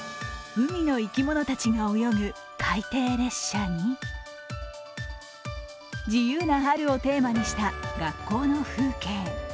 海の生き物たちが泳ぐ海底列車に自由な春をテーマにした学校の風景。